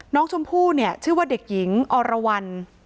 น้องชมพู่เนี่ยชื่อว่าเด็กหญิงอรวรรณ